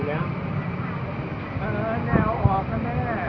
เออแนวออกนะแม่